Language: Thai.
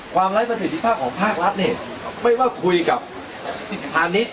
ไร้ประสิทธิภาพของภาครัฐเนี่ยไม่ว่าคุยกับพาณิชย์